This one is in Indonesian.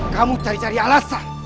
kamu cari cari alasan